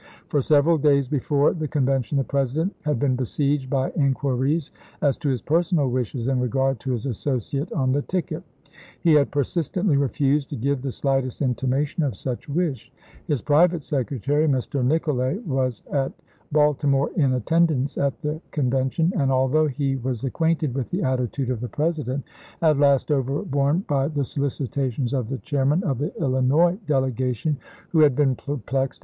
For several days before the Con vention the President had been besieged by in quiries as to his personal wishes in regard to his associate on the ticket. He had persistently refused to give the slightest intimation of such wish. His private secretary, Mr. Nicolay, was at Baltimore in attendance at the Convention ; and although he was acquainted with this attitude of the President, at last, overborne by the solicitations of the chairman LINCOLN RENOMINATED 73 of the Illinois delegation, who had been perplexed chap.